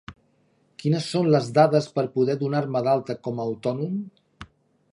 Quines són les dades per poder donar-me d'alta com a autònom?